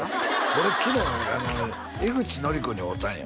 俺昨日江口のりこに会うたんよ